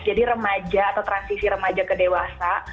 remaja atau transisi remaja ke dewasa